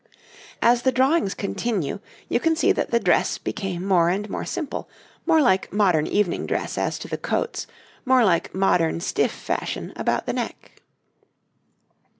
As the drawings continue you can see that the dress became more and more simple, more like modern evening dress as to the coats, more like modern stiff fashion about the neck.